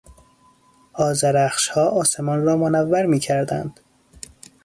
آذرخشها آسمان را منور میکردند.